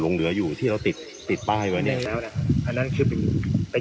ลงเหลืออยู่ที่เราติดติดป้ายวันนี้งั้นนั่นคือเป็น